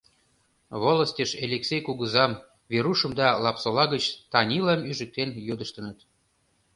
Волостьыш Элексей кугызам, Верушым да Лапсола гыч Танилам ӱжыктен йодыштыныт.